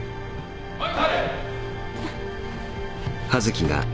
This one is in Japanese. はい。